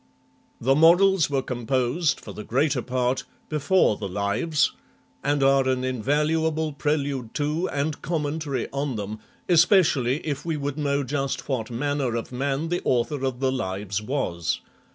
The Morals were composed, for the greater part, before the Lives, and are an invaluable prelude to and commentary on them, especially if we would xii INTRODUCTION know just what manner of man the author of the Lives was.